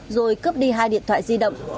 rồi cướp đi hai điện thoại di động